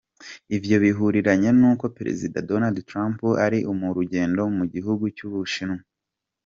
Ivyo bihuriranye nuko Perezida Donald Trump ari mu rugendo mu gihugu c'Ubushinwa.